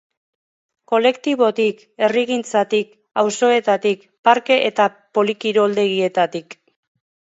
Kolektibotik, herrigintzatik, auzoetatik, parke eta polikiroldegietatik.